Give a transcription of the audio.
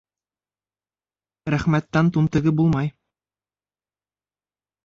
Рәхмәттән тун тегеп булмай.